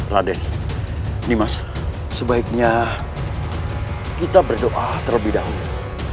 raden nimas sebaiknya kita berdoa terlebih dahulu